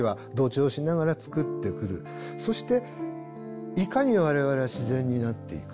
そしていかに我々は自然になっていくのか。